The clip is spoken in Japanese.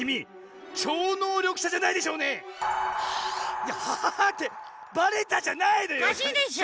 いや「はあ！」ってばれたじゃないのよ。